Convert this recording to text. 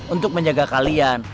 untuk menjaga kalian